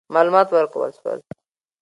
معلومات ورکول سول.